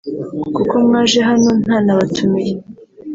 kuko mwaje hano ntanabatumiye